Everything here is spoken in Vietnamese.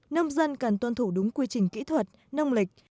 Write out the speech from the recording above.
nông dân cần tuân thủ đúng quy trình kỹ thuật nông lịch